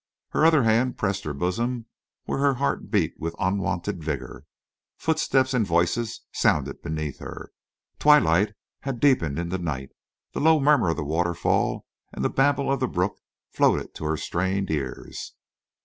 Her other hand pressed her bosom where her heart beat with unwonted vigor. Footsteps and voices sounded beneath her. Twilight had deepened into night. The low murmur of the waterfall and the babble of the brook floated to her strained ears.